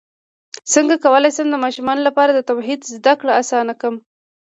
څنګه کولی شم د ماشومانو لپاره د توحید زدکړه اسانه کړم